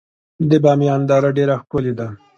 د بامیان دره ډیره ښکلې ده